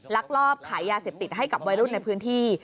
ลักลอบขายยาเสพติดให้กับวัยรุ่นในพื้นที่